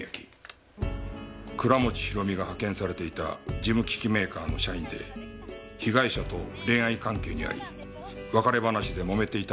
倉持広美が派遣されていた事務機器メーカーの社員で被害者と恋愛関係にあり別れ話でもめていたという証言がある。